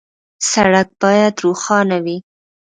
سړک باید روښانه وي.